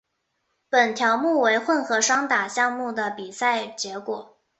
本条目为混合双打项目的比赛结果。